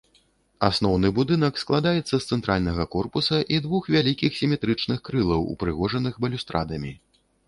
Асноўны будынак складаецца з цэнтральнага корпуса і двух вялікіх сіметрычных крылаў, упрыгожаных балюстрадамі.